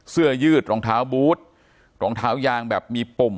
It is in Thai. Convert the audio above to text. เสื้อยืดรองเท้าบูธรองเท้ายางแบบมีปุ่ม